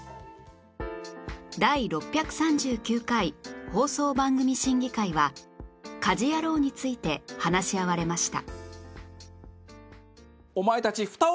第６３９回放送番組審議会は『家事ヤロウ！！！』について話し合われました